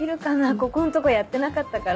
ここんとこやってなかったから。